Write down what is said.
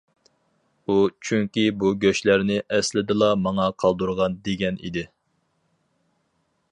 ئۇ چۈنكى بۇ گۆشلەرنى ئەسلىدىلا ماڭا قالدۇرغان دېگەن ئىدى.